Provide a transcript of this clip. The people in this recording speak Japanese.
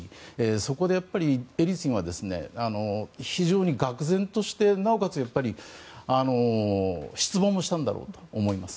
そこで、エリツィンは非常に愕然としてなおかつ失望もしたんだろうと思います。